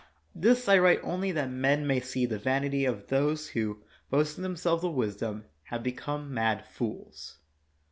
This I write only that men may see the vanity of those who, boasting them selves of wisdom, have become mad fools.